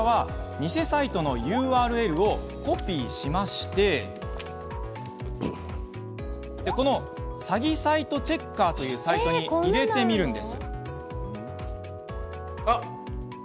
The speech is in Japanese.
こちら、偽サイトのＵＲＬをコピーしましてこのＵＲＬを詐欺サイトチェッカーというサイトに入れてみるんです。